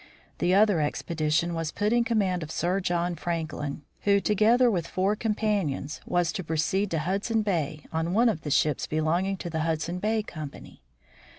The other expedition was put in command, of Sir John Franklin, who, together with four companions, was to proceed to Hudson bay on one of the ships belonging to the Hudson Bay Company.